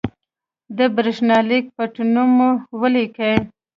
د برېښنالېک پټنوم مو ولیکئ.